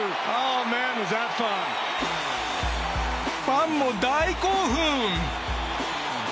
ファンも大興奮！